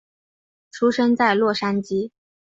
出生在洛杉矶。